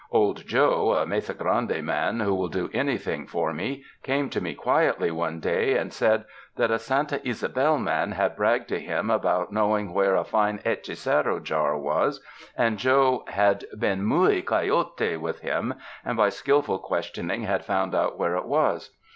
Old Joe, a Mesa Grande man who will do anything for me, came to me quietly one day and said that a Santa Ysabel man had bragged to him about know ing where a fine hechicero jar was, and Joe had been 'muy coyote' with him, and, by skilful questioning, had found out where it was.